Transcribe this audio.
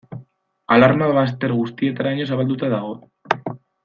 Alarma bazter guztietaraino zabalduta dago.